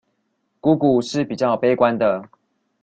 姑姑是比較悲觀的